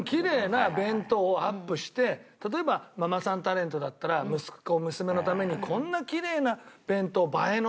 例えばママさんタレントだったら息子娘のためにこんなきれいな弁当映えのするね。